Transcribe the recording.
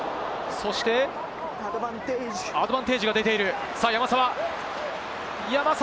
そしてアドバンテージが出ている、山沢。